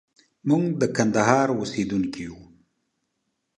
موږ د کندهار اوسېدونکي يو.